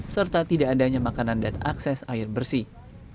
serta tidak adanya makanan dan akses air bersih